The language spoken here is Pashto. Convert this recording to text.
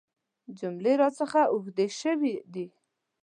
جملې راڅخه اوږدې شوي دي .